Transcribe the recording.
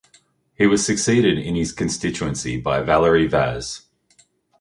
He was succeeded in his constituency by Valerie Vaz.